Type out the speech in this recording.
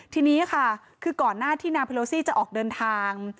ทีนี้ค่ะคือก่อนหน้าที่นางเพโลซี่จะออกเดินทาง